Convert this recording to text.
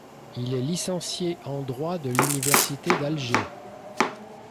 Il est licencié en droit de l'université d'Alger.